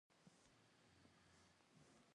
هغه باور نه کولو